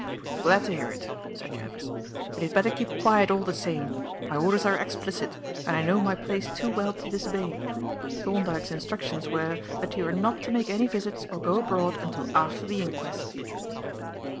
"I'm glad to hear it," said Jervis, "but you'd better keep quiet all the same. My orders are explicit, and I know my place too well to disobey. Thorndyke's instructions were that you are not to make any visits or go abroad until after the inquest."